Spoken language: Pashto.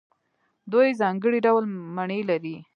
دوی ځانګړي ډول مڼې لري.